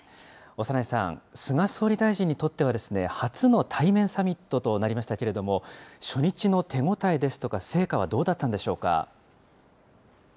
長内さん、菅総理大臣にとっては、初の対面サミットとなりましたけれども、初日の手応えですとか、成果はどうだったんでしょうか。